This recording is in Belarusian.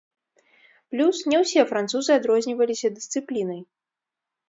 Плюс, не ўсе французы адрозніваліся дысцыплінай.